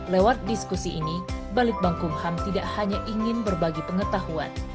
lewat diskusi ini balitbang kumham tidak hanya ingin berbagi pengetahuan